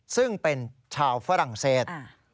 ซึ่งเป็นชาวฝรั่งเศส